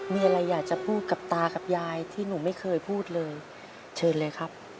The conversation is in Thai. มีอะไรอยากจะพูดกับตากับยายที่หนูไม่เคยพูดเลยเชิญเลยครับ